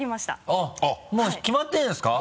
あっもう決まってるんですか？